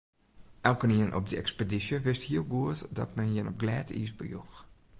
Elkenien op dy ekspedysje wist hiel goed dat men jin op glêd iis bejoech.